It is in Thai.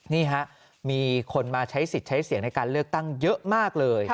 นี่ฮะมีคนมาใช้สิทธิ์ใช้เสียงในการเลือกตั้งเยอะมากเลย